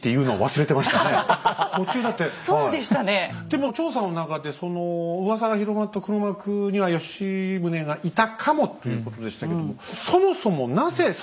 でも調査の中でそのうわさが広まった黒幕には吉宗がいたかもということでしたけども。